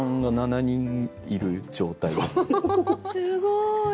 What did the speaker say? すごい！